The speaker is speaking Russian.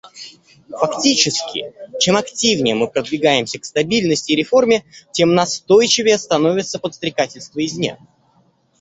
Фактически, чем активнее мы продвигаемся к стабильности и реформе, тем настойчивее становится подстрекательство извне.